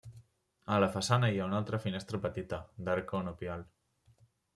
A la façana hi ha una altra finestra petita, d'arc conopial.